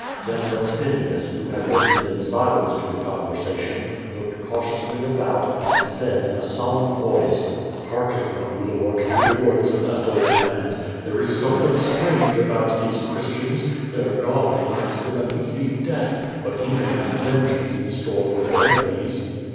Then Vestinius, who had listened in silence to the conversation, looked cautiously about, and said in a solemn voice: "Hearken, oh, lord, to the words of that old man! There is something strange about these Christians; their God grant8 them an easy death, but he may have vengeance in store for their enemies."